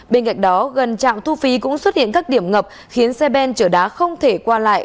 bên cạnh đó gần trạm thu phí cũng xuất hiện các điểm ngập khiến xe ben chở đá không thể qua lại